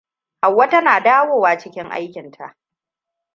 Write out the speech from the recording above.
Hauwa tana dawowa cikin aikinta.